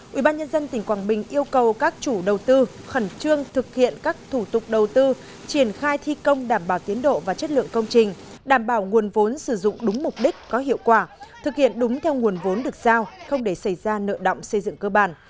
quỹ ban nhân dân tỉnh quảng bình yêu cầu các chủ đầu tư khẩn trương thực hiện các thủ tục đầu tư triển khai thi công đảm bảo tiến độ và chất lượng công trình đảm bảo nguồn vốn sử dụng đúng mục đích có hiệu quả thực hiện đúng theo nguồn vốn được giao không để xảy ra nợ động xây dựng cơ bản